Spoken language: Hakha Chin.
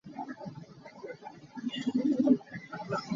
Khoi ka ah dah ar an it?